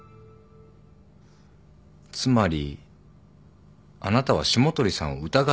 つまりあなたは霜鳥さんを疑っていた。